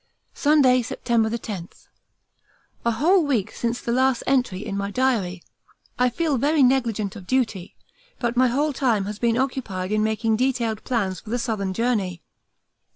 Sunday, September 10. A whole week since the last entry in my diary. I feel very negligent of duty, but my whole time has been occupied in making detailed plans for the Southern journey.